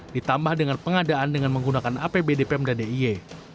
ditambah dengan pengadaan dengan menggunakan apbd pemda d i e